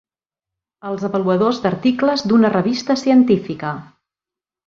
Els avaluadors d'articles d'una revista científica.